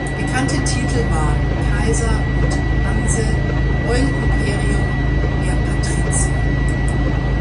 Bekannte Titel waren "Kaiser" und "Hanse", "Oil Imperium", "Der Patrizier".